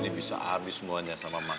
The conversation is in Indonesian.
ini bisa abis semuanya sama mas